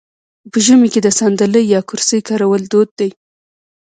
په ژمي کې د ساندلۍ یا کرسۍ کارول دود دی.